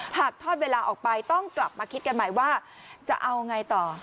หากทอดเวลาออกไปต้องกลับมาคิดกันใหม่ว่าจะเอาไงต่อ